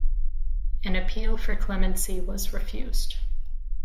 An appeal for clemency was refused.